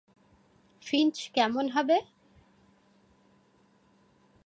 Finch কেমন হবে?